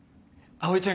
葵ちゃん！